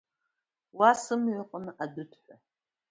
Уа сымҩаҟны адәыҭәҳәа…